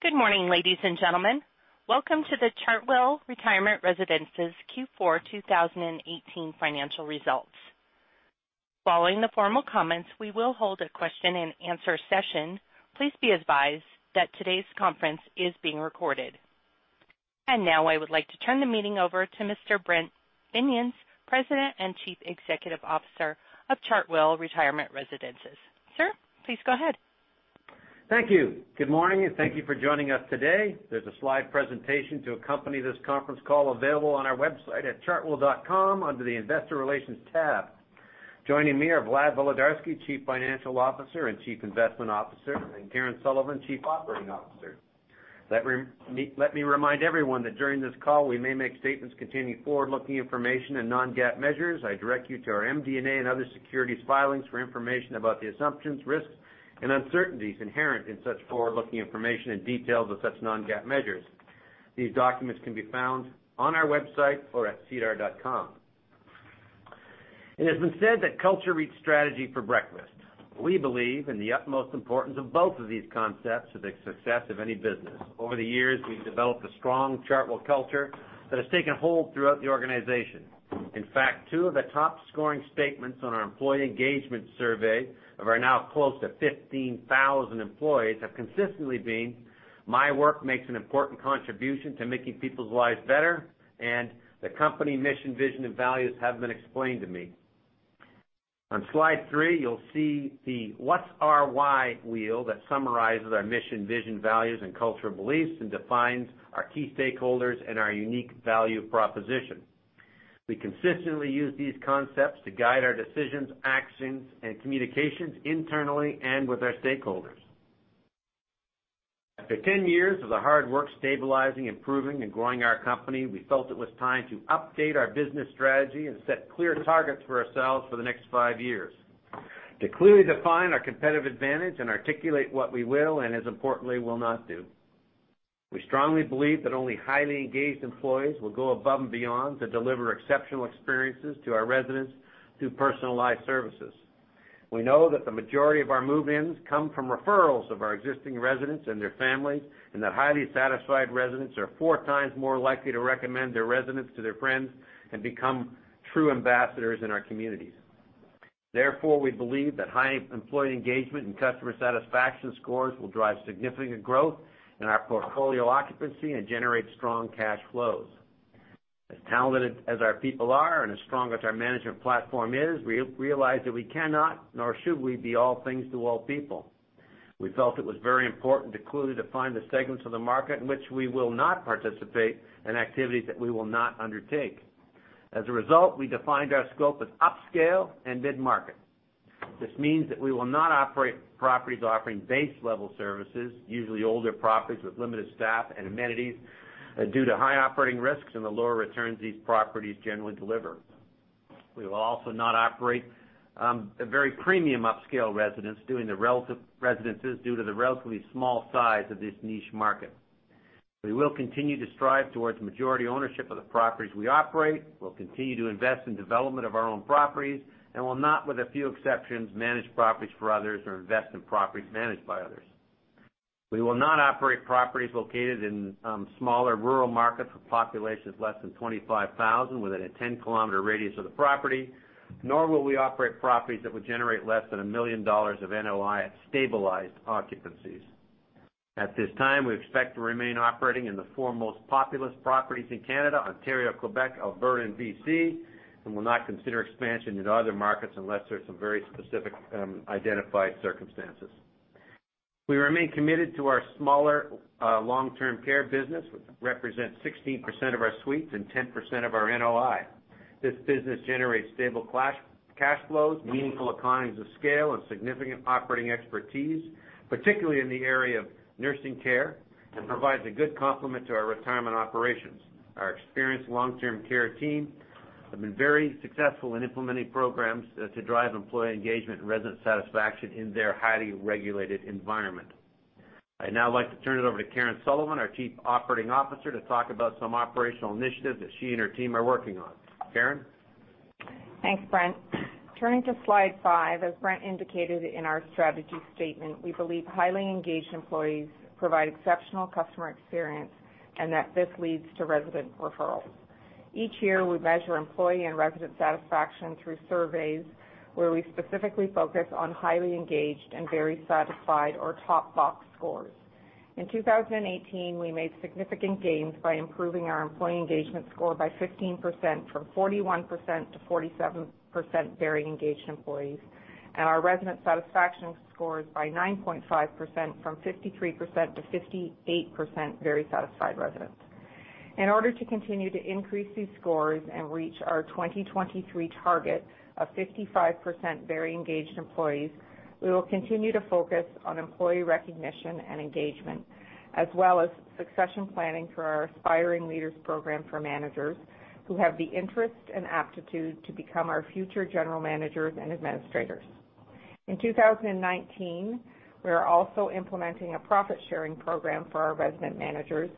Good morning, ladies and gentlemen. Welcome to the Chartwell Retirement Residences Q4 2018 financial results. Following the formal comments, we will hold a question and answer session. Please be advised that today's conference is being recorded. Now I would like to turn the meeting over to Mr. Brent Binions, President and Chief Executive Officer of Chartwell Retirement Residences. Sir, please go ahead. Thank you. Good morning, and thank you for joining us today. There's a slide presentation to accompany this conference call available on our website at chartwell.com under the investor relations tab. Joining me are Vlad Volodarski, Chief Financial Officer and Chief Investment Officer, and Karen Sullivan, Chief Operating Officer. Let me remind everyone that during this call, we may make statements containing forward-looking information and non-GAAP measures. I direct you to our MD&A and other securities filings for information about the assumptions, risks, and uncertainties inherent in such forward-looking information and details of such non-GAAP measures. These documents can be found on our website or at sedar.com. It has been said that culture eats strategy for breakfast. We believe in the utmost importance of both of these concepts for the success of any business. Over the years, we've developed a strong Chartwell culture that has taken hold throughout the organization. In fact, two of the top-scoring statements on our employee engagement survey of our now close to 15,000 employees have consistently been, "My work makes an important contribution to making people's lives better," and, "The company mission, vision, and values have been explained to me." On slide three, you'll see the what's our why wheel that summarizes our mission, vision, values, and cultural beliefs and defines our key stakeholders and our unique value proposition. We consistently use these concepts to guide our decisions, actions, and communications internally and with our stakeholders. After 10 years of the hard work stabilizing, improving, and growing our company, we felt it was time to update our business strategy and set clear targets for ourselves for the next five years to clearly define our competitive advantage and articulate what we will and, as importantly, will not do. We strongly believe that only highly engaged employees will go above and beyond to deliver exceptional experiences to our residents through personalized services. We know that the majority of our move-ins come from referrals of our existing residents and their families, and that highly satisfied residents are four times more likely to recommend their residence to their friends and become true ambassadors in our communities. Therefore, we believe that high employee engagement and customer satisfaction scores will drive significant growth in our portfolio occupancy and generate strong cash flows. As talented as our people are and as strong as our management platform is, we realize that we cannot nor should we be all things to all people. We felt it was very important to clearly define the segments of the market in which we will not participate and activities that we will not undertake. As a result, we defined our scope as upscale and mid-market. This means that we will not operate properties offering base-level services, usually older properties with limited staff and amenities, due to high operating risks and the lower returns these properties generally deliver. We will also not operate a very premium upscale residence due to the relatively small size of this niche market. We will continue to strive towards majority ownership of the properties we operate. We'll continue to invest in development of our own properties and will not, with a few exceptions, manage properties for others or invest in properties managed by others. We will not operate properties located in smaller rural markets with populations less than 25,000 within a 10-kilometer radius of the property, nor will we operate properties that would generate less than 1 million dollars of NOI at stabilized occupancies. At this time, we expect to remain operating in the four most populous properties in Canada, Ontario, Quebec, Alberta, and B.C., will not consider expansion into other markets unless there's some very specific identified circumstances. We remain committed to our smaller long-term care business, which represents 16% of our suites and 10% of our NOI. This business generates stable cash flows, meaningful economies of scale, and significant operating expertise, particularly in the area of nursing care, and provides a good complement to our retirement operations. Our experienced long-term care team have been very successful in implementing programs to drive employee engagement and resident satisfaction in their highly regulated environment. I'd now like to turn it over to Karen Sullivan, our Chief Operating Officer, to talk about some operational initiatives that she and her team are working on. Karen? Thanks, Brent. Turning to slide five, as Brent indicated in our strategy statement, we believe highly engaged employees provide exceptional customer experience and that this leads to resident referrals. Each year, we measure employee and resident satisfaction through surveys where we specifically focus on highly engaged and very satisfied or top box scores. In 2018, we made significant gains by improving our employee engagement score by 15%, from 41% to 47% very engaged employees, and our resident satisfaction scores by 9.5%, from 53% to 58% very satisfied residents. In order to continue to increase these scores and reach our 2023 target of 55% very engaged employees, we will continue to focus on employee recognition and engagement, as well as succession planning for our aspiring leaders program for managers who have the interest and aptitude to become our future general managers and administrators. In 2019, we are also implementing a profit-sharing program for our resident managers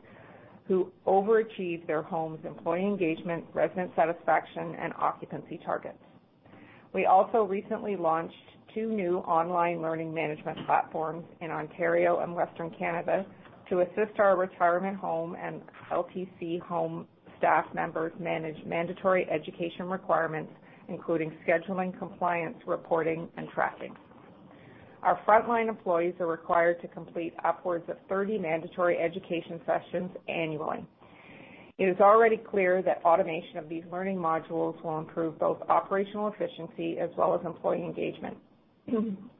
who overachieve their home's employee engagement, resident satisfaction, and occupancy targets. We also recently launched two new online learning management platforms in Ontario and Western Canada to assist our retirement home and LTC home staff members manage mandatory education requirements, including scheduling, compliance, reporting and tracking. Our frontline employees are required to complete upwards of 30 mandatory education sessions annually. It is already clear that automation of these learning modules will improve both operational efficiency as well as employee engagement.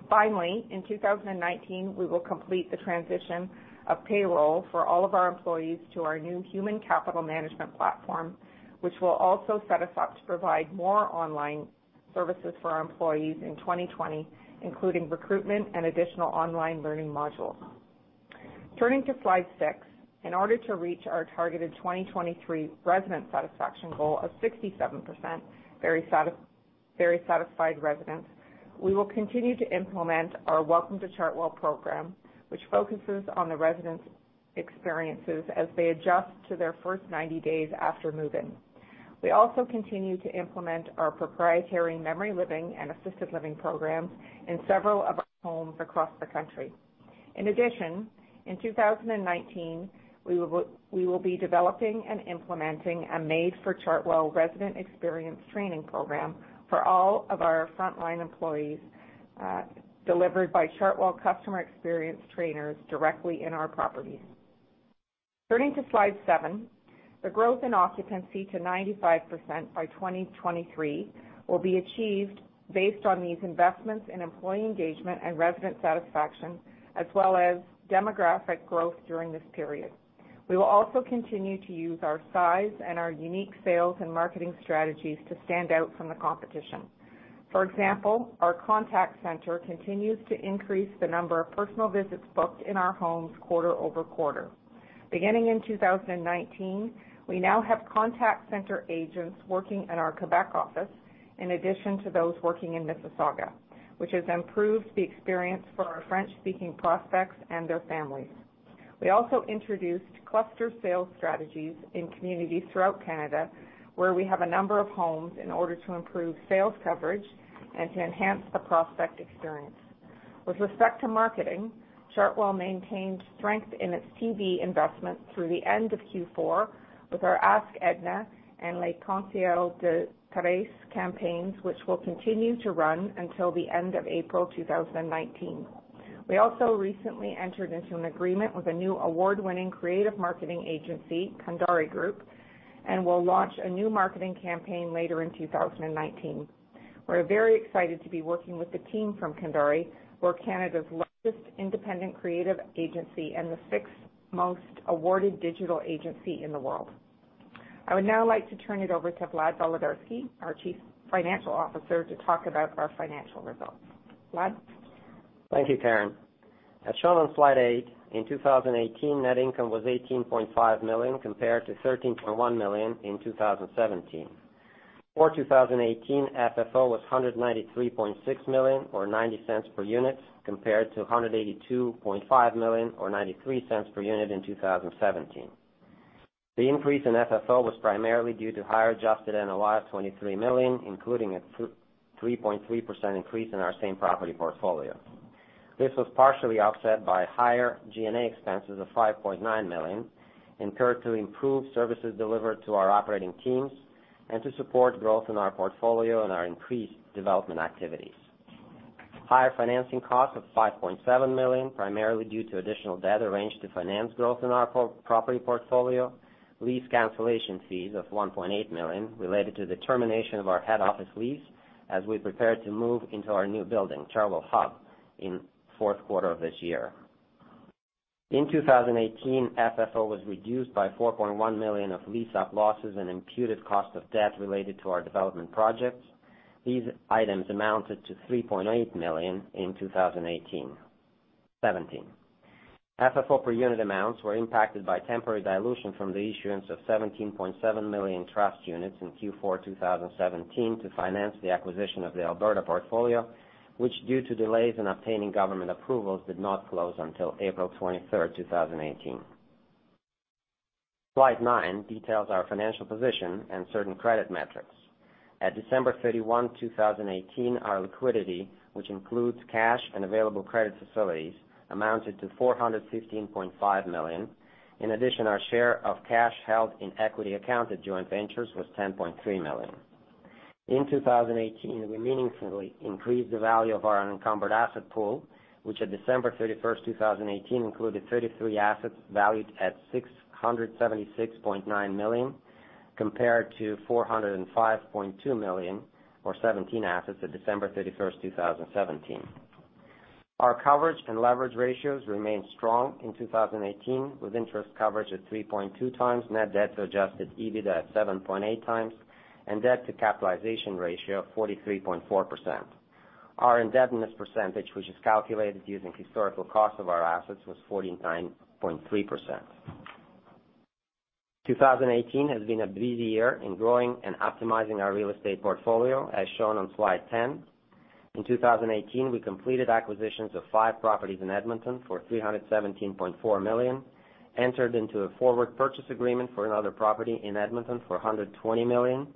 Finally, in 2019, we will complete the transition of payroll for all of our employees to our new human capital management platform, which will also set us up to provide more online services for our employees in 2020, including recruitment and additional online learning modules. Turning to slide six. In order to reach our targeted 2023 resident satisfaction goal of 67% very satisfied residents, we will continue to implement our Welcome to Chartwell program, which focuses on the residents' experiences as they adjust to their first 90 days after move-in. We also continue to implement our proprietary Memory Living and assisted living programs in several of our homes across the country. In addition, in 2019, we will be developing and implementing a Made for Chartwell resident experience training program for all of our frontline employees, delivered by Chartwell customer experience trainers directly in our properties. Turning to slide seven. The growth in occupancy to 95% by 2023 will be achieved based on these investments in employee engagement and resident satisfaction, as well as demographic growth during this period. We will also continue to use our size and our unique sales and marketing strategies to stand out from the competition. For example, our contact center continues to increase the number of personal visits booked in our homes quarter over quarter. Beginning in 2019, we now have contact center agents working in our Quebec office in addition to those working in Mississauga, which has improved the experience for our French-speaking prospects and their families. We also introduced cluster sales strategies in communities throughout Canada, where we have a number of homes in order to improve sales coverage and to enhance the prospect experience. With respect to marketing, Chartwell maintained strength in its TV investment through the end of Q4 with our Ask Edna and Les Conseils de Thérèse campaigns, which will continue to run until the end of April 2019. We also recently entered into an agreement with a new award-winning creative marketing agency, Cundari Group, and will launch a new marketing campaign later in 2019. We're very excited to be working with the team from Cundari, who are Canada's largest independent creative agency and the sixth most awarded digital agency in the world. I would now like to turn it over to Vlad Volodarski, our Chief Financial Officer, to talk about our financial results. Vlad? Thank you, Karen. As shown on slide eight, in 2018, net income was 18.5 million compared to 13.1 million in 2017. For 2018, FFO was 193.6 million, or 0.90 per unit, compared to 182.5 million or 0.93 per unit in 2017. The increase in FFO was primarily due to higher adjusted NOI of 23 million, including a 3.3% increase in our same property portfolio. This was partially offset by higher G&A expenses of 5.9 million, incurred to improve services delivered to our operating teams and to support growth in our portfolio and our increased development activities. Higher financing cost of 5.7 million, primarily due to additional debt arranged to finance growth in our property portfolio. Lease cancellation fees of 1.8 million related to the termination of our head office lease as we prepare to move into our new building, Chartwell Hub, in fourth quarter of this year. In 2018, FFO was reduced by 4.1 million of lease-up losses and imputed cost of debt related to our development projects. These items amounted to 3.8 million in 2017. FFO per unit amounts were impacted by temporary dilution from the issuance of 17.7 million trust units in Q4 2017 to finance the acquisition of the Alberta portfolio, which, due to delays in obtaining government approvals, did not close until April 23rd, 2018. Slide nine details our financial position and certain credit metrics. At December 31, 2018, our liquidity, which includes cash and available credit facilities, amounted to 416.5 million. In addition, our share of cash held in equity accounted joint ventures was 10.3 million. In 2018, we meaningfully increased the value of our unencumbered asset pool, which at December 31st, 2018, included 33 assets valued at 676.9 million, compared to 405.2 million or 17 assets at December 31st, 2017. Our coverage and leverage ratios remained strong in 2018, with interest coverage at 3.2 times net debt to adjusted EBITDA at 7.8 times and debt to capitalization ratio of 43.4%. Our indebtedness percentage, which is calculated using historical cost of our assets, was 49.3%. 2018 has been a busy year in growing and optimizing our real estate portfolio, as shown on slide 10. In 2018, we completed acquisitions of five properties in Edmonton for 317.4 million, entered into a forward purchase agreement for another property in Edmonton for 120 million,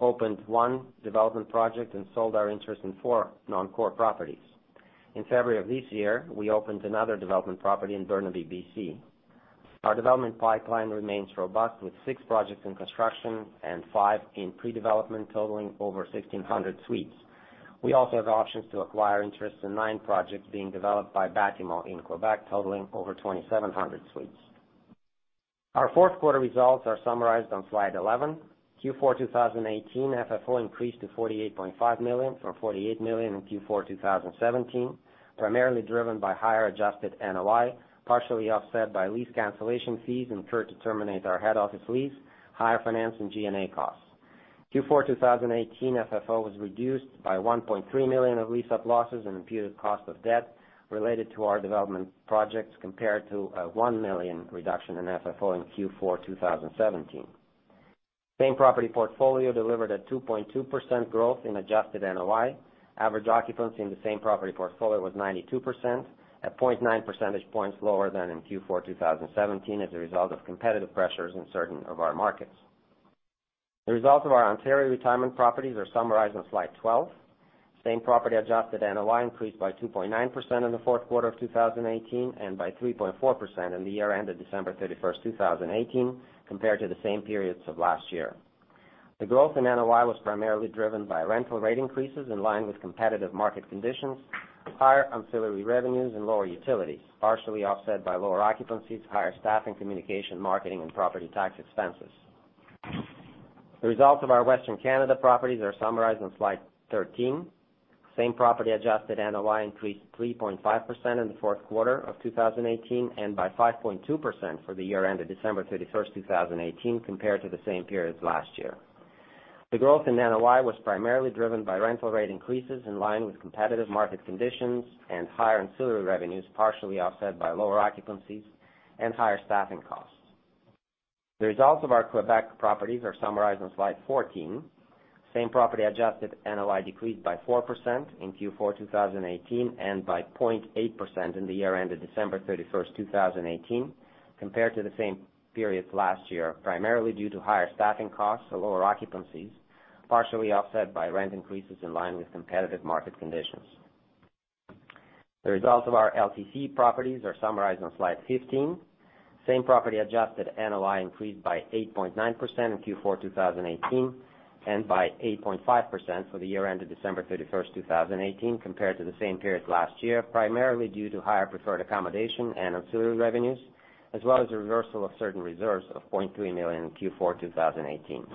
opened one development project, and sold our interest in four non-core properties. In February of this year, we opened another development property in Burnaby, B.C. Our development pipeline remains robust with six projects in construction and five in pre-development, totaling over 1,600 suites. We also have options to acquire interest in nine projects being developed by Batimo in Quebec, totaling over 2,700 suites. Our fourth quarter results are summarized on slide 11. Q4 2018 FFO increased to 48.5 million from 48 million in Q4 2017, primarily driven by higher adjusted NOI, partially offset by lease cancellation fees incurred to terminate our head office lease, higher finance and G&A costs. Q4 2018 FFO was reduced by 1.3 million of lease-up losses and imputed cost of debt related to our development projects compared to a 1 million reduction in FFO in Q4 2017. Same property portfolio delivered a 2.2% growth in adjusted NOI. Average occupancy in the same property portfolio was 92%, at 0.9 percentage points lower than in Q4 2017 as a result of competitive pressures in certain of our markets. The results of our Ontario retirement properties are summarized on slide 12. Same property adjusted NOI increased by 2.9% in the fourth quarter of 2018, and by 3.4% in the year ended December 31, 2018, compared to the same periods of last year. The growth in NOI was primarily driven by rental rate increases in line with competitive market conditions, higher ancillary revenues, and lower utilities, partially offset by lower occupancies, higher staffing, communication, marketing, and property tax expenses. The results of our Western Canada properties are summarized on slide 13. Same property adjusted NOI increased 3.5% in the fourth quarter of 2018, and by 5.2% for the year ended December 31, 2018, compared to the same periods last year. The growth in NOI was primarily driven by rental rate increases in line with competitive market conditions and higher ancillary revenues, partially offset by lower occupancies and higher staffing costs. The results of our Quebec properties are summarized on slide 14. Same property adjusted NOI decreased by 4% in Q4 2018, and by 0.8% in the year ended December 31, 2018, compared to the same periods last year, primarily due to higher staffing costs or lower occupancies, partially offset by rent increases in line with competitive market conditions. The results of our LTC properties are summarized on slide 15. Same property adjusted NOI increased by 8.9% in Q4 2018, and by 8.5% for the year ended December 31, 2018, compared to the same period last year, primarily due to higher preferred accommodation and ancillary revenues, as well as the reversal of certain reserves of 0.3 million in Q4 2018.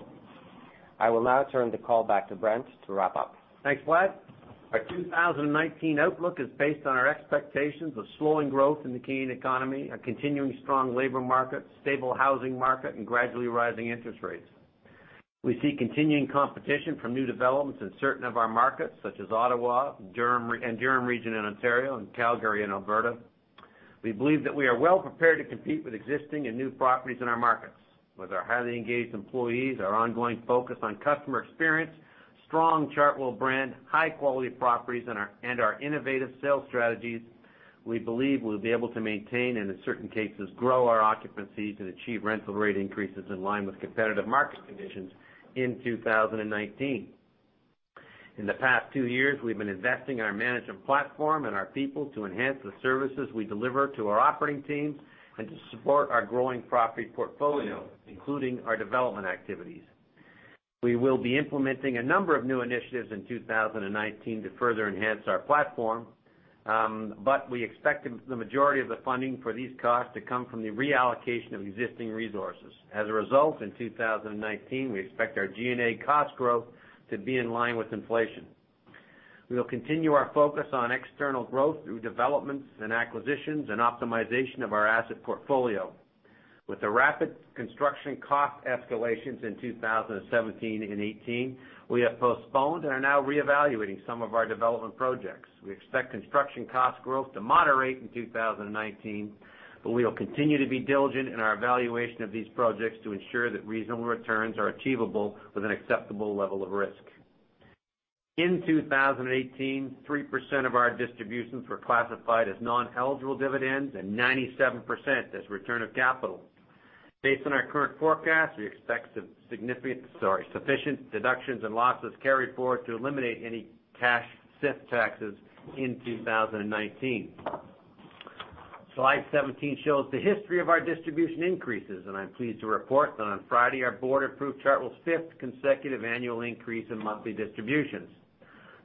I will now turn the call back to Brent to wrap up. Thanks, Vlad. Our 2019 outlook is based on our expectations of slowing growth in the Canadian economy, a continuing strong labor market, stable housing market, and gradually rising interest rates. We see continuing competition from new developments in certain of our markets, such as Ottawa and Durham region in Ontario and Calgary in Alberta. We believe that we are well-prepared to compete with existing and new properties in our markets. With our highly engaged employees, our ongoing focus on customer experience, strong Chartwell brand, high-quality properties, and our innovative sales strategies, we believe we'll be able to maintain, and in certain cases, grow our occupancies and achieve rental rate increases in line with competitive market conditions in 2019. In the past two years, we've been investing in our management platform and our people to enhance the services we deliver to our operating teams and to support our growing property portfolio, including our development activities. We will be implementing a number of new initiatives in 2019 to further enhance our platform, we expect the majority of the funding for these costs to come from the reallocation of existing resources. As a result, in 2019, we expect our G&A cost growth to be in line with inflation. We will continue our focus on external growth through developments and acquisitions and optimization of our asset portfolio. With the rapid construction cost escalations in 2017 and 2018, we have postponed and are now re-evaluating some of our development projects. We expect construction cost growth to moderate in 2019, we will continue to be diligent in our evaluation of these projects to ensure that reasonable returns are achievable with an acceptable level of risk. In 2018, 3% of our distributions were classified as non-eligible dividends and 97% as return of capital. Based on our current forecast, we expect sufficient deductions and losses carried forward to eliminate any cash CIT taxes in 2019. Slide 17 shows the history of our distribution increases, I'm pleased to report that on Friday, our board approved Chartwell's fifth consecutive annual increase in monthly distributions.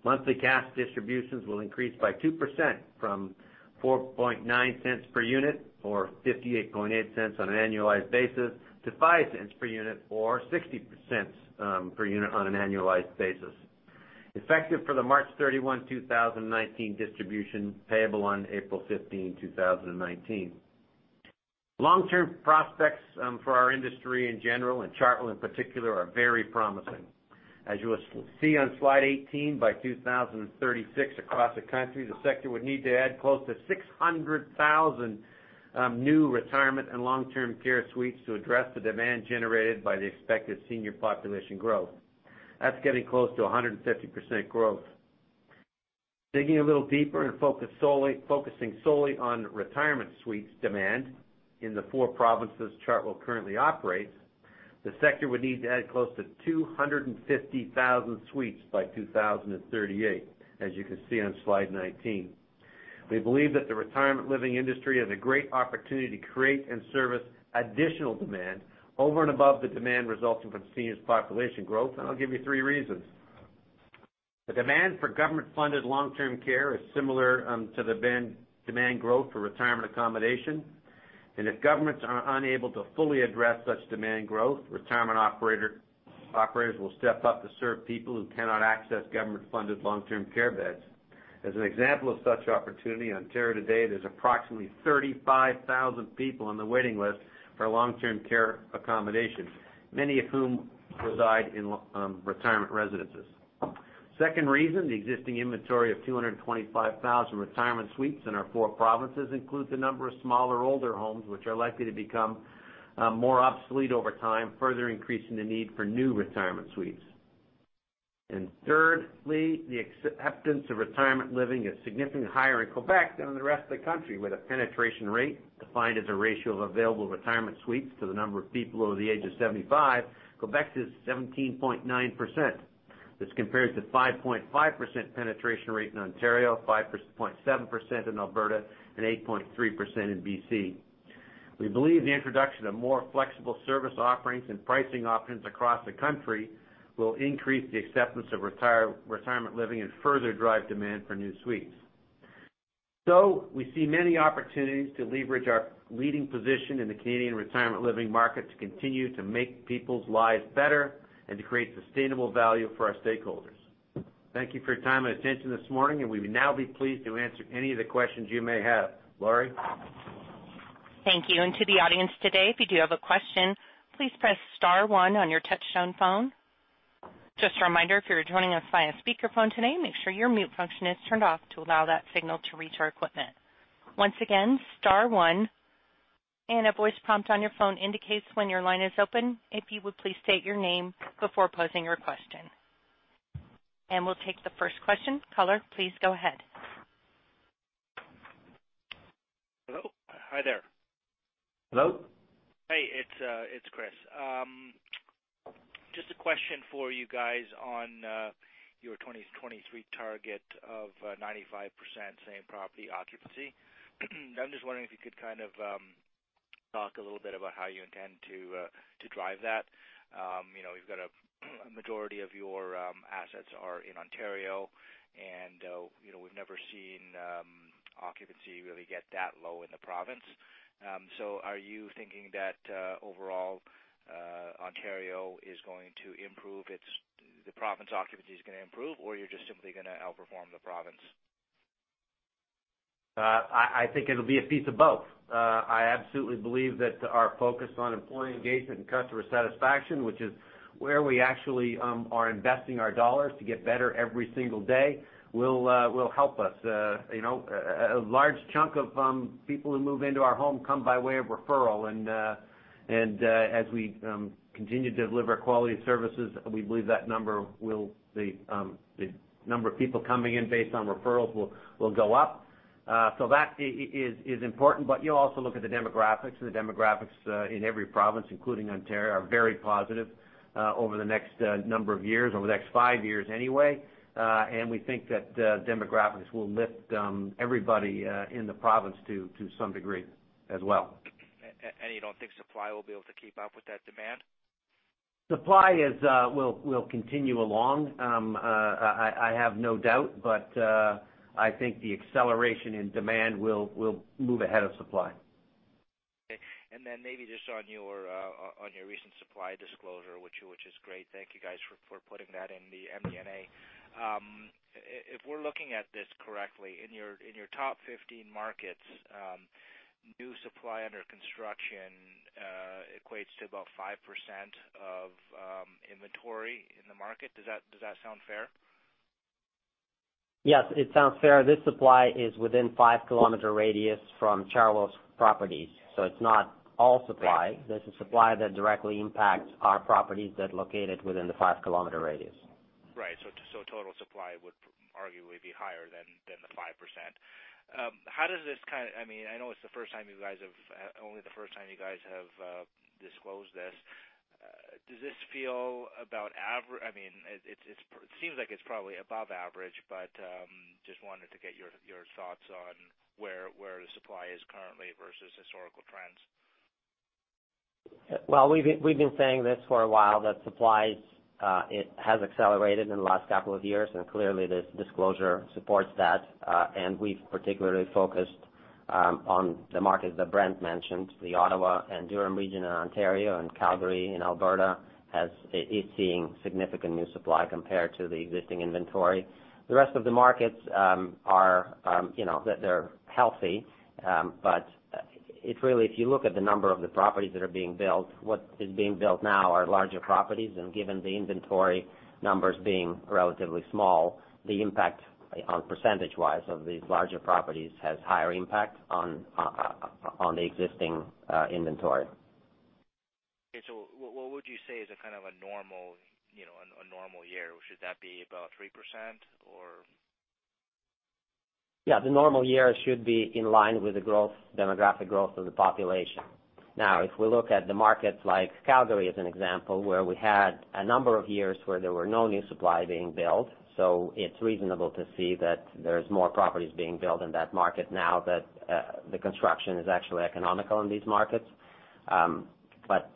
Monthly cash distributions will increase by 2% from 0.049 per unit, or 0.588 on an annualized basis, to 0.05 per unit or 0.60 per unit on an annualized basis, effective for the March 31, 2019 distribution payable on April 15, 2019. Long-term prospects for our industry in general, and Chartwell in particular, are very promising. As you will see on slide 18, by 2036, across the country, the sector would need to add close to 600,000 new retirement and long-term care suites to address the demand generated by the expected senior population growth. That's getting close to 150% growth. Digging a little deeper and focusing solely on retirement suites demand in the four provinces Chartwell currently operates, the sector would need to add close to 250,000 suites by 2038, as you can see on slide 19. We believe that the retirement living industry has a great opportunity to create and service additional demand over and above the demand resulting from seniors population growth. I'll give you three reasons. The demand for government-funded long-term care is similar to the demand growth for retirement accommodation. If governments are unable to fully address such demand growth, retirement operators will step up to serve people who cannot access government-funded long-term care beds. As an example of such opportunity, in Ontario today, there's approximately 35,000 people on the waiting list for long-term care accommodation, many of whom reside in retirement residences. Second reason, the existing inventory of 225,000 retirement suites in our four provinces includes a number of smaller, older homes, which are likely to become more obsolete over time, further increasing the need for new retirement suites. Thirdly, the acceptance of retirement living is significantly higher in Quebec than in the rest of the country, with a penetration rate defined as a ratio of available retirement suites to the number of people over the age of 75. Quebec's is 17.9%. This compares to 5.5% penetration rate in Ontario, 5.7% in Alberta, and 8.3% in B.C. We believe the introduction of more flexible service offerings and pricing options across the country will increase the acceptance of retirement living and further drive demand for new suites. We see many opportunities to leverage our leading position in the Canadian retirement living market to continue to make people's lives better and to create sustainable value for our stakeholders. Thank you for your time and attention this morning, and we will now be pleased to answer any of the questions you may have. Lori? Thank you. To the audience today, if you do have a question, please press star one on your touchtone phone. Just a reminder, if you're joining us via speakerphone today, make sure your mute function is turned off to allow that signal to reach our equipment. Once again, star one, a voice prompt on your phone indicates when your line is open. If you would please state your name before posing your question. We'll take the first question. Caller, please go ahead. Hello. Hi there. Hello. Hey, it's Chris. Just a question for you guys on your 2023 target of 95% same-property occupancy. I'm just wondering if you could talk a little bit about how you intend to drive that. You've got a majority of your assets are in Ontario, and we've never seen occupancy really get that low in the province. Are you thinking that overall Ontario is going to improve, the province occupancy is going to improve, or you're just simply going to outperform the province? I think it'll be a piece of both. I absolutely believe that our focus on employee engagement and customer satisfaction, which is where we actually are investing our dollars to get better every single day, will help us. A large chunk of people who move into our home come by way of referral, and as we continue to deliver quality services, we believe the number of people coming in based on referrals will go up. That is important, you also look at the demographics. The demographics in every province, including Ontario, are very positive over the next number of years, over the next five years anyway. We think that demographics will lift everybody in the province to some degree as well. You don't think supply will be able to keep up with that demand? Supply will continue along, I have no doubt, but I think the acceleration in demand will move ahead of supply. Then maybe just on your recent supply disclosure, which is great. Thank you guys for putting that in the MD&A. If we're looking at this correctly, in your top 15 markets, new supply under construction equates to about 5% of inventory in the market. Does that sound fair? Yes, it sounds fair. This supply is within 5-kilometer radius from Chartwell's properties. It's not all supply. This is supply that directly impacts our properties that located within the 5-kilometer radius. Right. Total supply would arguably be higher than the 5%. I know it's only the first time you guys have disclosed this. It seems like it's probably above average, just wanted to get your thoughts on where the supply is currently versus historical trends. Well, we've been saying this for a while, that supply has accelerated in the last couple of years, clearly this disclosure supports that. We've particularly focused on the markets that Brent mentioned, the Ottawa and Durham region in Ontario, and Calgary in Alberta is seeing significant new supply compared to the existing inventory. The rest of the markets, they're healthy. If you look at the number of the properties that are being built, what is being built now are larger properties, given the inventory numbers being relatively small, the impact on percentage-wise of these larger properties has higher impact on the existing inventory. Okay. What would you say is a kind of a normal year? Should that be about 3% or Yeah, the normal year should be in line with the demographic growth of the population. Now, if we look at the markets like Calgary as an example, where we had a number of years where there were no new supply being built, it's reasonable to see that there's more properties being built in that market now that the construction is actually economical in these markets.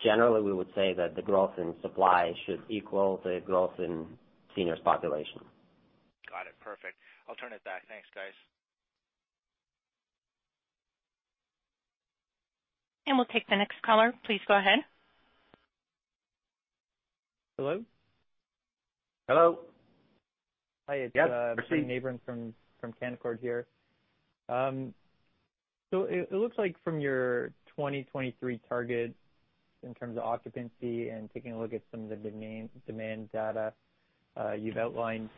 Generally, we would say that the growth in supply should equal the growth in seniors population. Got it. Perfect. I'll turn it back. Thanks, guys. We'll take the next caller. Please go ahead. Hello? Hello. Hi. Yes, proceed. It's Brendon Abrams from Canaccord here. It looks like from your 2023 target in terms of occupancy and taking a look at some of the demand data you've outlined,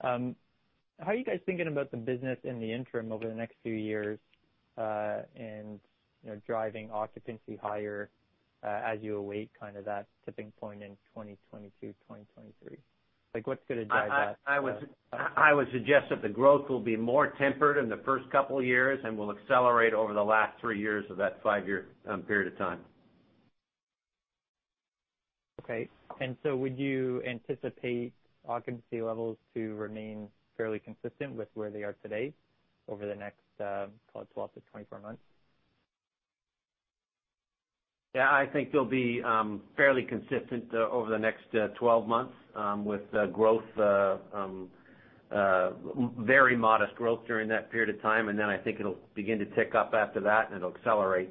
how are you guys thinking about the business in the interim over the next few years, and driving occupancy higher as you await kind of that tipping point in 2022, 2023? What's going to drive that? I would suggest that the growth will be more tempered in the first couple of years and will accelerate over the last three years of that five-year period of time. Okay. Would you anticipate occupancy levels to remain fairly consistent with where they are today over the next, call it 12 to 24 months? I think they'll be fairly consistent over the next 12 months, with very modest growth during that period of time. I think it'll begin to tick up after that, and it'll accelerate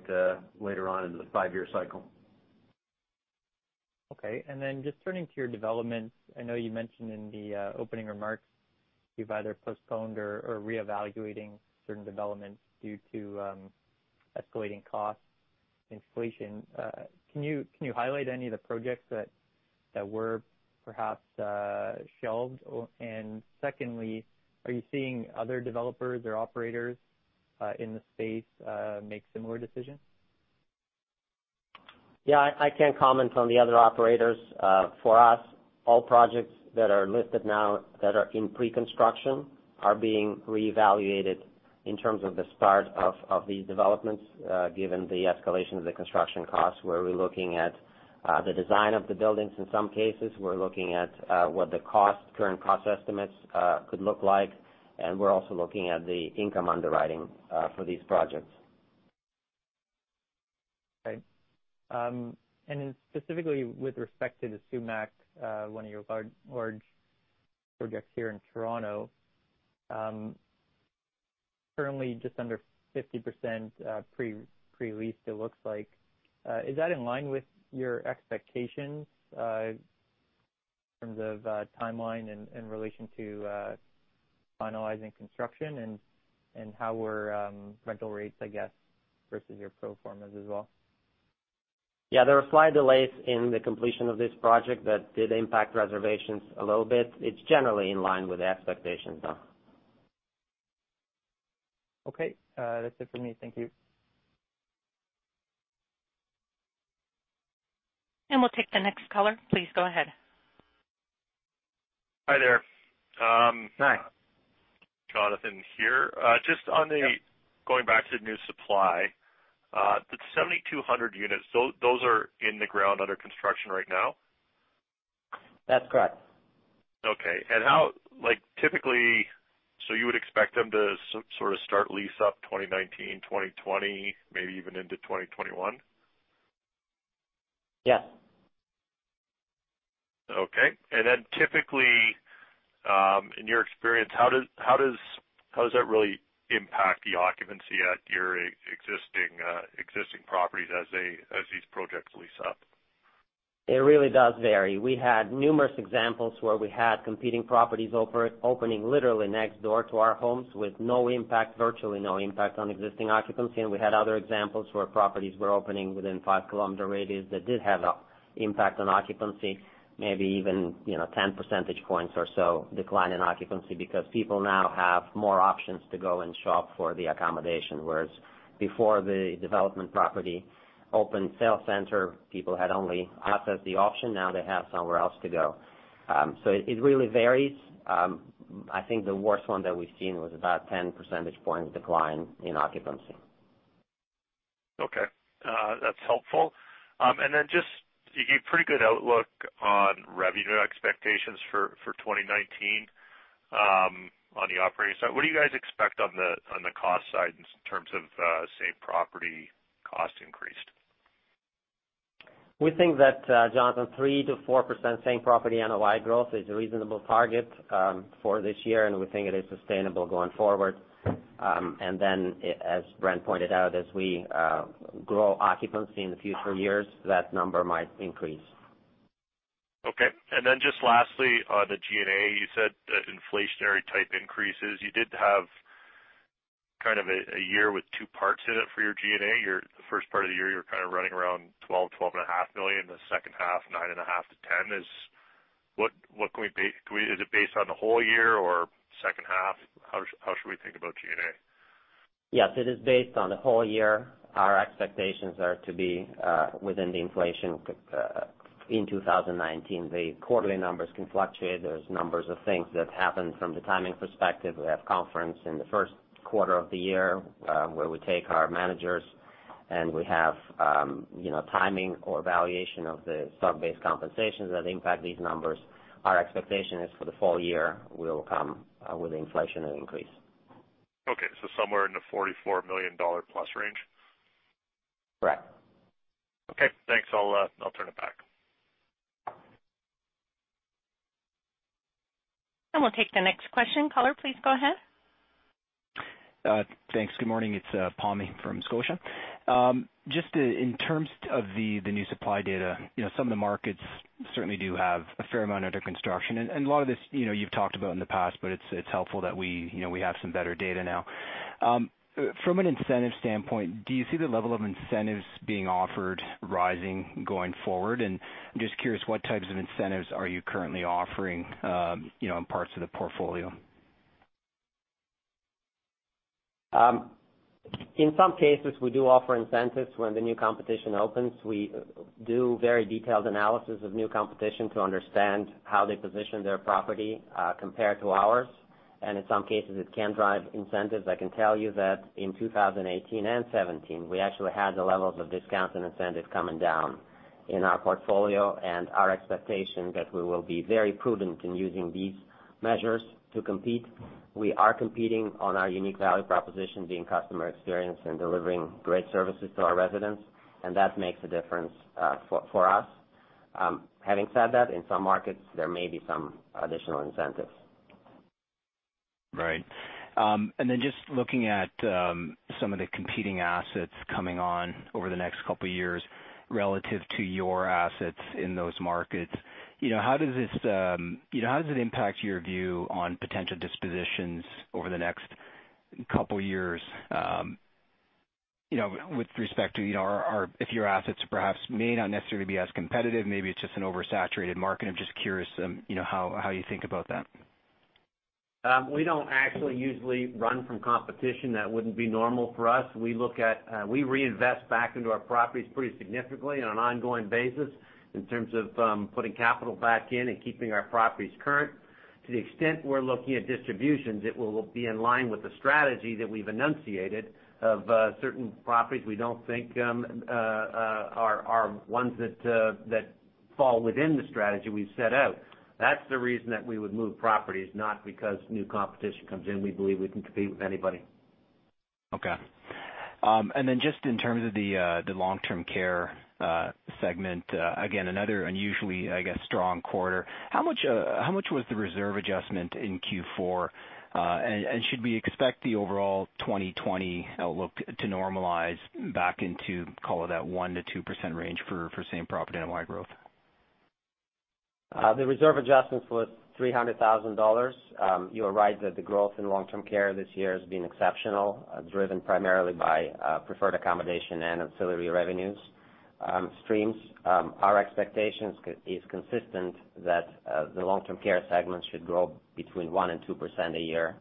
later on in the five-year cycle. Okay. Just turning to your developments, I know you mentioned in the opening remarks you've either postponed or are reevaluating certain developments due to escalating costs, inflation. Can you highlight any of the projects that were perhaps shelved? Secondly, are you seeing other developers or operators in the space make similar decisions? I can't comment on the other operators. For us, all projects that are listed now that are in pre-construction are being reevaluated in terms of the start of these developments, given the escalation of the construction costs, where we're looking at the design of the buildings in some cases. We're looking at what the current cost estimates could look like, and we're also looking at the income underwriting for these projects. Okay. Specifically with respect to Sumach, one of your large projects here in Toronto. Currently just under 50% pre-leased it looks like. Is that in line with your expectations in terms of timeline in relation to finalizing construction, how were rental rates, I guess, versus your pro formas as well? Yeah. There were slight delays in the completion of this project that did impact reservations a little bit. It's generally in line with the expectations, though. Okay. That's it for me. Thank you. We'll take the next caller. Please go ahead. Hi there. Hi. Jonathan here. Just on the- Yep going back to the new supply. The 7,200 units, those are in the ground under construction right now? That's correct. Okay. You would expect them to sort of start lease up 2019, 2020, maybe even into 2021? Yes. Okay. Typically, in your experience, how does that really impact the occupancy at your existing properties as these projects lease up? It really does vary. We had numerous examples where we had competing properties opening literally next door to our homes with virtually no impact on existing occupancy, and we had other examples where properties were opening within five-kilometer radius that did have an impact on occupancy, maybe even 10 percentage points or so decline in occupancy because people now have more options to go and shop for the accommodation. Whereas before the development property open sales center, people had only us as the option. Now they have somewhere else to go. It really varies. I think the worst one that we've seen was about 10 percentage points decline in occupancy. Okay. That's helpful. Just, you gave pretty good outlook on revenue expectations for 2019 on the operating side. What do you guys expect on the cost side in terms of same property cost increased? We think that, Jonathan, 3%-4% same property NOI growth is a reasonable target for this year, and we think it is sustainable going forward. Then as Brent pointed out, as we grow occupancy in the future years, that number might increase. Okay. Then just lastly, on the G&A, you said that inflationary type increases. You did have kind of a year with two parts in it for your G&A. The first part of the year, you were kind of running around 12 million, 12.5 million. The second half, 9.5 million-10 million. Is it based on the whole year or second half? How should we think about G&A? Yes, it is based on the whole year. Our expectations are to be within the inflation in 2019. The quarterly numbers can fluctuate. There's numbers of things that happen from the timing perspective. We have conference in the first quarter of the year, where we take our managers and we have timing or valuation of the stock-based compensations that impact these numbers. Our expectation is for the full year will come with inflation and increase. Okay, somewhere in the 44 million dollar-plus range? Correct. Okay, thanks. I'll turn it back. We'll take the next question. Caller, please go ahead. Thanks. Good morning. It's Pammi from Scotiabank. Just in terms of the new supply data, some of the markets certainly do have a fair amount under construction. A lot of this, you've talked about in the past, but it's helpful that we have some better data now. From an incentive standpoint, do you see the level of incentives being offered rising going forward? I'm just curious what types of incentives are you currently offering in parts of the portfolio? In some cases, we do offer incentives when the new competition opens. We do very detailed analysis of new competition to understand how they position their property compared to ours. In some cases, it can drive incentives. I can tell you that in 2018 and 2017, we actually had the levels of discounts and incentives coming down in our portfolio, and our expectation that we will be very prudent in using these measures to compete. We are competing on our unique value proposition, being customer experience and delivering great services to our residents, and that makes a difference for us. Having said that, in some markets, there may be some additional incentives. Right. Just looking at some of the competing assets coming on over the next couple of years relative to your assets in those markets, how does it impact your view on potential dispositions over the next couple of years, with respect to if your assets perhaps may not necessarily be as competitive, maybe it's just an oversaturated market? I'm just curious how you think about that. We don't actually usually run from competition. That wouldn't be normal for us. We reinvest back into our properties pretty significantly on an ongoing basis in terms of putting capital back in and keeping our properties current. To the extent we're looking at dispositions, it will be in line with the strategy that we've enunciated of certain properties we don't think are ones that fall within the strategy we've set out. That's the reason that we would move properties, not because new competition comes in. We believe we can compete with anybody. Okay. Just in terms of the long-term care segment, again, another unusually, I guess, strong quarter. How much was the reserve adjustment in Q4? Should we expect the overall 2020 outlook to normalize back into, call it that 1%-2% range for same property NOI growth? The reserve adjustments was 300,000 dollars. You are right that the growth in long-term care this year has been exceptional, driven primarily by preferred accommodation and ancillary revenue streams. Our expectations is consistent that the long-term care segment should grow between 1% and 2% a year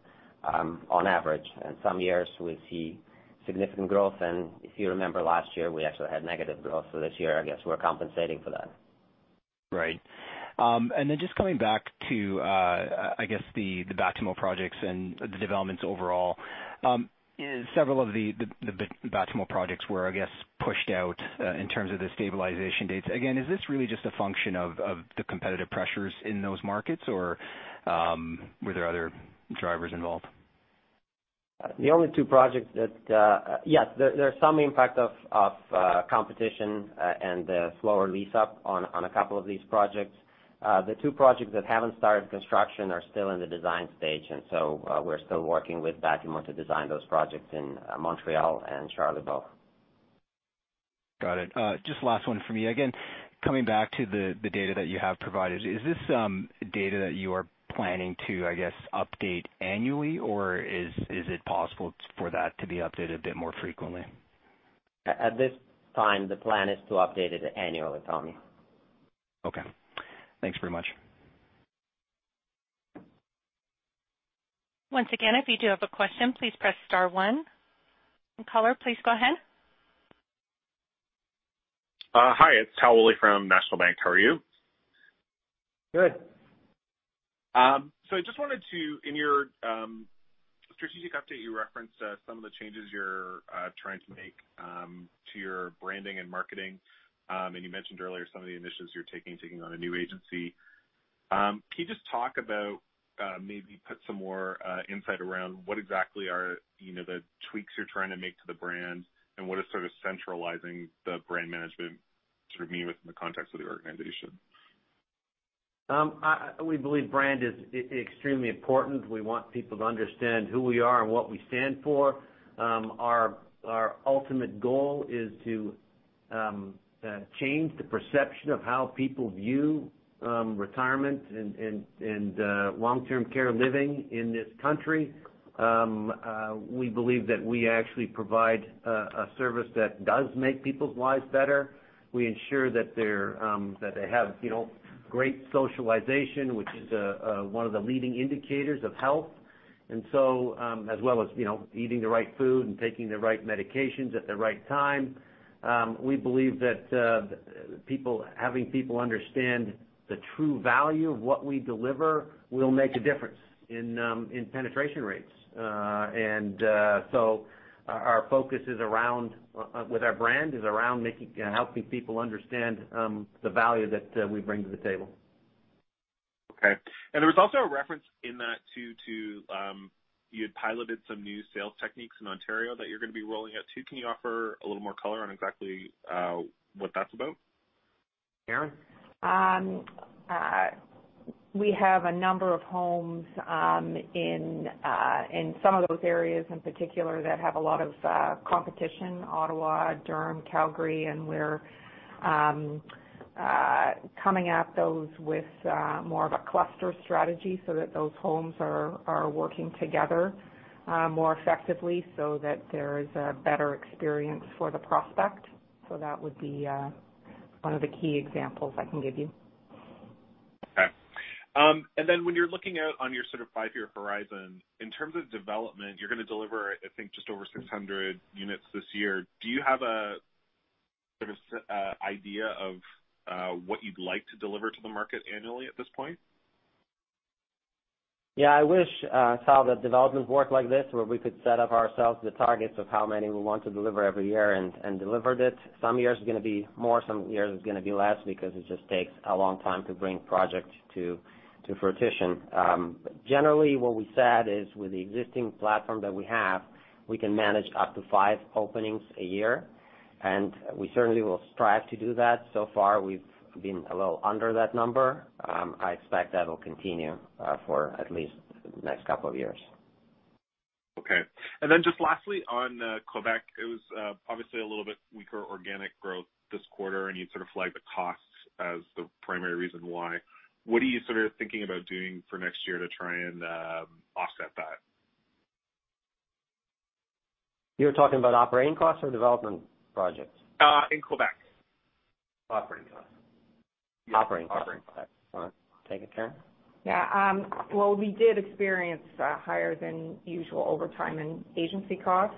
on average. Some years we see significant growth, if you remember last year, we actually had negative growth. This year, I guess, we're compensating for that. Right. Just coming back to, I guess, the Batimo projects and the developments overall. Several of the Batimo projects were, I guess, pushed out in terms of the stabilization dates. Is this really just a function of the competitive pressures in those markets, or were there other drivers involved? Yes, there's some impact of competition and the slower lease-up on a two of these projects. The two projects that haven't started construction are still in the design stage, we're still working with Batimo to design those projects in Montreal and Charlevoix. Got it. Just last one from me. Coming back to the data that you have provided, is this data that you are planning to, I guess, update annually, or is it possible for that to be updated a bit more frequently? At this time, the plan is to update it annually, Pammi. Okay. Thanks very much. Once again, if you do have a question, please press star one. Caller, please go ahead. Hi, it's Tal Woolley from National Bank. How are you? Good. I just wanted to, in your strategic update, you referenced some of the changes you're trying to make to your branding and marketing, and you mentioned earlier some of the initiatives you're taking on a new agency. Can you just talk about, maybe put some more insight around what exactly are the tweaks you're trying to make to the brand, and what is sort of centralizing the brand management sort of mean within the context of the organization? We believe brand is extremely important. We want people to understand who we are and what we stand for. Our ultimate goal is to change the perception of how people view retirement and long-term care living in this country. We believe that we actually provide a service that does make people's lives better. We ensure that they have great socialization, which is one of the leading indicators of health. As well as eating the right food and taking the right medications at the right time, we believe that having people understand the true value of what we deliver will make a difference in penetration rates. Our focus with our brand is around helping people understand the value that we bring to the table. Okay. There was also a reference in that too, you had piloted some new sales techniques in Ontario that you're going to be rolling out too. Can you offer a little more color on exactly what that's about? Karen? We have a number of homes in some of those areas in particular that have a lot of competition, Ottawa, Durham, Calgary, and we're coming at those with more of a cluster strategy so that those homes are working together more effectively so that there is a better experience for the prospect. That would be one of the key examples I can give you. Okay. When you're looking out on your sort of five-year horizon, in terms of development, you're going to deliver, I think, just over 600 units this year. Do you have a sort of idea of what you'd like to deliver to the market annually at this point? Yeah, I wish, Tal, that developments worked like this, where we could set up ourselves the targets of how many we want to deliver every year and delivered it. Some years are going to be more, some years it's going to be less because it just takes a long time to bring projects to fruition. Generally, what we said is, with the existing platform that we have, we can manage up to five openings a year, we certainly will strive to do that. So far, we've been a little under that number. I expect that'll continue for at least the next couple of years. Okay. Just lastly, on Quebec, it was obviously a little bit weaker organic growth this quarter, you'd sort of flagged the costs as the primary reason why. What are you sort of thinking about doing for next year to try and offset that? You're talking about operating costs or development projects? In Quebec. Operating costs. Operating costs. Operating costs. You want to take it, Karen? We did experience higher than usual overtime and agency costs.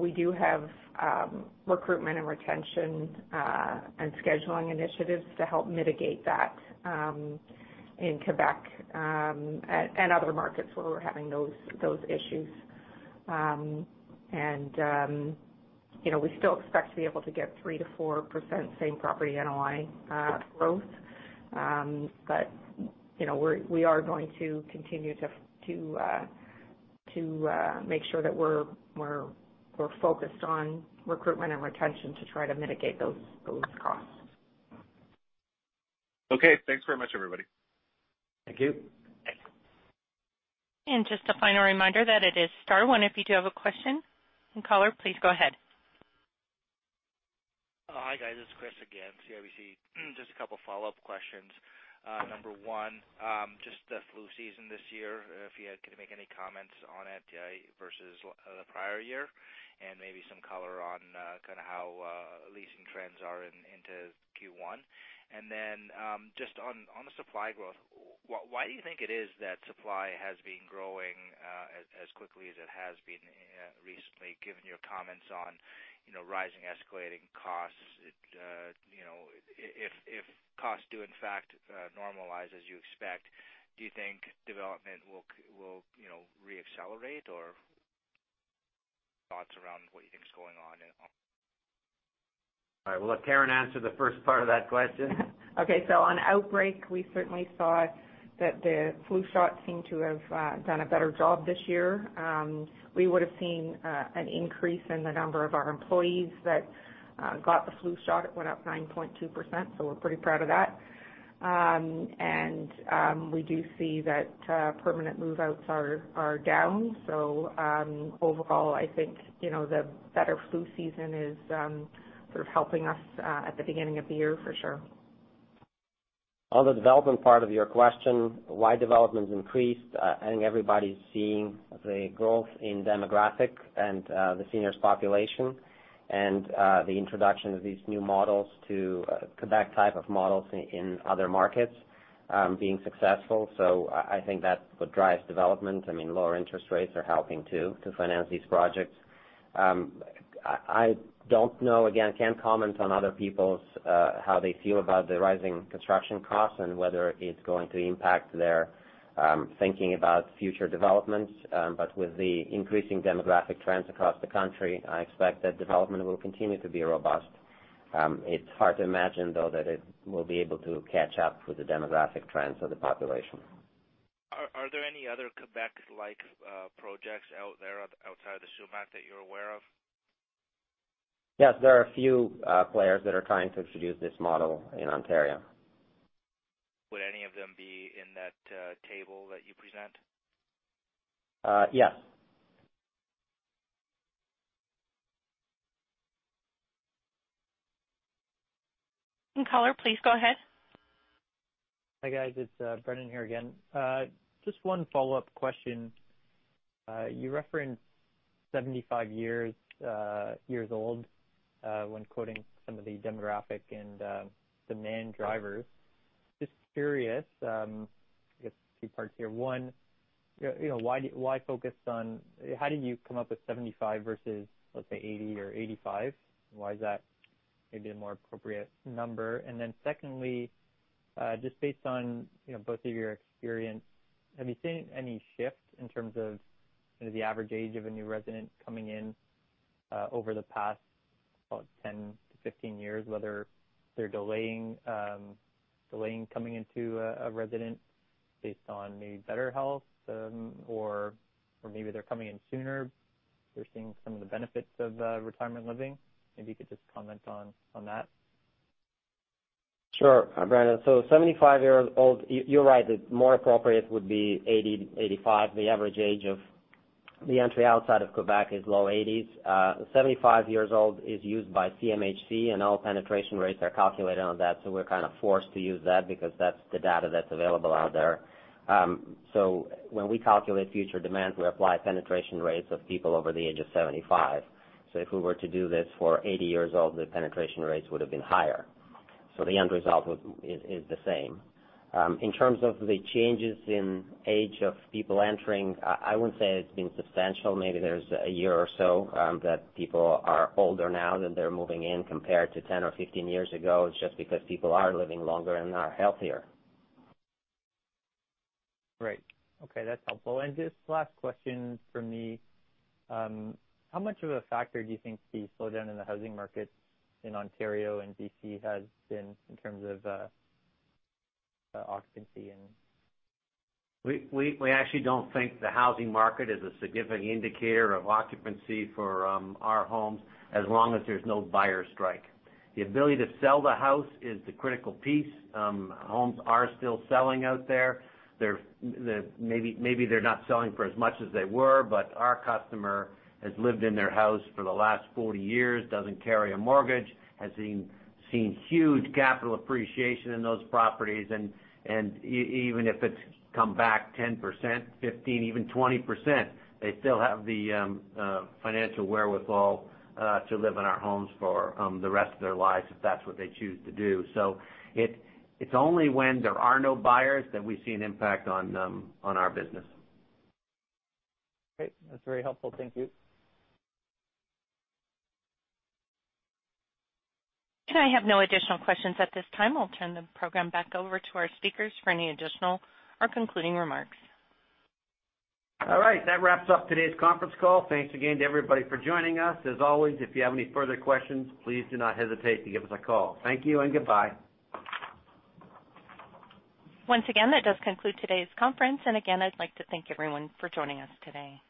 We do have recruitment and retention, and scheduling initiatives to help mitigate that in Quebec, and other markets where we're having those issues. We still expect to be able to get 3%-4% same property NOI growth. We are going to continue to make sure that we're focused on recruitment and retention to try to mitigate those costs. Thanks very much, everybody. Thank you. Thanks. Just a final reminder that it is star one if you do have a question. Caller, please go ahead. Hi, guys. It's Chris Couprie again, CIBC. A couple follow-up questions. Number one, the flu season this year, if you could make any comments on it versus the prior year, and maybe some color on kind of how leasing trends are into Q1. On the supply growth, why do you think it is that supply has been growing as quickly as it has been recently, given your comments on rising escalating costs? If costs do in fact normalize as you expect, do you think development will re-accelerate? Thoughts around what you think is going on at all. All right. We'll let Karen Sullivan answer the first part of that question. Okay. On outbreak, we certainly saw that the flu shot seemed to have done a better job this year. We would've seen an increase in the number of our employees that got the flu shot. It went up 9.2%, we're pretty proud of that. We do see that permanent move-outs are down. Overall, I think, the better flu season is sort of helping us at the beginning of the year for sure. On the development part of your question, why development's increased, I think everybody's seeing the growth in demographic and the seniors population and the introduction of these new models to Quebec type of models in other markets being successful. I think that's what drives development. I mean, lower interest rates are helping too, to finance these projects. I don't know. Again, can't comment on other people's, how they feel about the rising construction costs and whether it's going to impact their thinking about future developments. With the increasing demographic trends across the country, I expect that development will continue to be robust. It's hard to imagine, though, that it will be able to catch up with the demographic trends of the population. Are there any other Quebec-like projects out there outside of the Sumach that you're aware of? Yes, there are a few players that are trying to introduce this model in Ontario. Would any of them be in that table that you present? Yes. Caller, please go ahead. Hi, guys. It's Brendan here again. Just one follow-up question. You referenced 75 years old when quoting some of the demographic and demand drivers. Just curious, I guess two parts here. One, how did you come up with 75 versus, let's say, 80 or 85? Why is that maybe a more appropriate number? Secondly, just based on both of your experience, have you seen any shift in terms of the average age of a new resident coming in over the past, about 10-15 years, whether they're delaying coming into a residence based on maybe better health, or maybe they're coming in sooner. They're seeing some of the benefits of retirement living. Maybe you could just comment on that. Sure. Brendan, 75 years old, you're right. More appropriate would be 80, 85. The average age of the entry outside of Quebec is low 80s. 75 years old is used by CMHC, and all penetration rates are calculated on that, so we're kind of forced to use that because that's the data that's available out there. When we calculate future demand, we apply penetration rates of people over the age of 75. If we were to do this for 80 years old, the penetration rates would have been higher. The end result is the same. In terms of the changes in age of people entering, I wouldn't say it's been substantial. Maybe there's a year or so that people are older now that they're moving in compared to 10-15 years ago, just because people are living longer and are healthier. Right. Okay, that's helpful. Just last question from me. How much of a factor do you think the slowdown in the housing market in Ontario and B.C. has been in terms of occupancy? We actually don't think the housing market is a significant indicator of occupancy for our homes as long as there's no buyer strike. The ability to sell the house is the critical piece. Homes are still selling out there. Maybe they're not selling for as much as they were, but our customer has lived in their house for the last 40 years, doesn't carry a mortgage, has seen huge capital appreciation in those properties. Even if it's come back 10%, 15%, even 20%, they still have the financial wherewithal to live in our homes for the rest of their lives, if that's what they choose to do. It's only when there are no buyers that we see an impact on our business. Great. That's very helpful. Thank you. I have no additional questions at this time. I'll turn the program back over to our speakers for any additional or concluding remarks. All right. That wraps up today's conference call. Thanks again to everybody for joining us. As always, if you have any further questions, please do not hesitate to give us a call. Thank you and goodbye. Once again, that does conclude today's conference. Again, I'd like to thank everyone for joining us today.